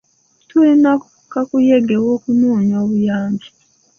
Tulina kakuyege w'okunoonya obuyambi.